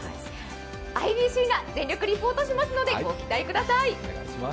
ＩＢＣが全力リポートしますのでお楽しみください。